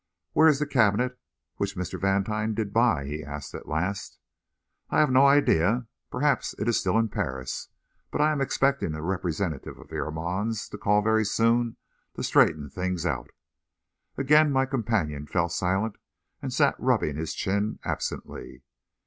"Where is the cabinet which Mr. Vantine did buy?" he asked at last. "I have no idea. Perhaps it is still in Paris. But I am expecting a representative of the Armands to call very soon to straighten things out." Again my companion fell silent, and sat rubbing his chin absently.